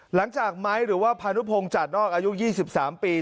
หลังจากไม้หรือว่าพานุพงศ์จัดนอกอายุ๒๓ปี